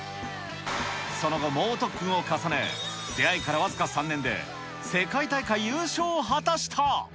その後、猛特訓を重ね、出会いから僅か３年で、世界大会優勝を果たした。